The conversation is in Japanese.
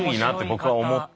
僕は思って。